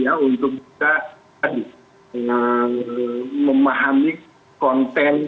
yang pertama adalah soal kapasitas orang seseorang untuk memahami konten